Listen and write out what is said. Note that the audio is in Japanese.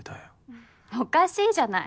ふっおかしいじゃない。